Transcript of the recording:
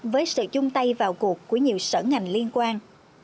với sự chung tay vào cuộc của nhiều sở ngành liên quan